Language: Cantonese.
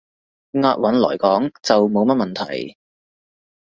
押韻來講，就冇乜問題